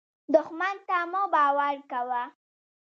دښمن ته مه باور کوه